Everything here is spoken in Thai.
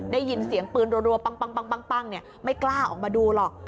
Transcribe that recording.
ได้ยินเสียงปืนรัวปั้งไม่กล้าออกมาดูหรอก